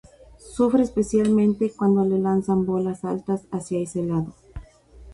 Sufre especialmente cuando le lanzan bolas altas hacia ese lado.